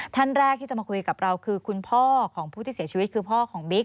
ท่านแรกที่จะมาคุยกับเราคือคุณพ่อของผู้ที่เสียชีวิตคือพ่อของบิ๊ก